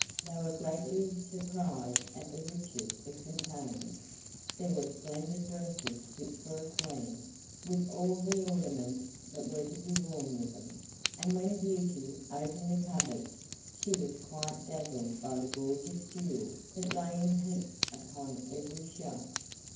They were greatly surprised at the riches it contained. There were splendid dresses fit for a queen, with all the ornaments that were to be worn with them; and when Beauty opened the cupboards she was quite dazzled by the gorgeous jewels that lay in heaps upon every shelf.